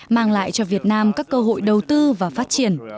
mang lại cho việt nam các cơ hội đầu tư và phát triển